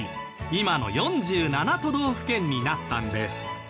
今の４７都道府県になったんです。